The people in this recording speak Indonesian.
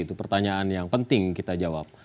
itu pertanyaan yang penting kita jawab